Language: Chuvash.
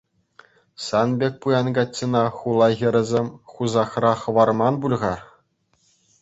Сан пек пуян каччӑна хула хӗрӗсем хусахра хӑварман пуль-ха?